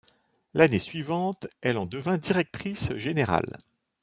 L'année suivante, elle en devient directrice générale.